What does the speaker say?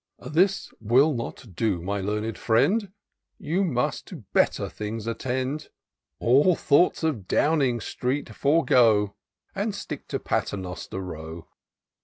This wiU not do, my learned friend ; You must to better things attend : All thoughts of Downing Street forego, And stick to Paternoster Row.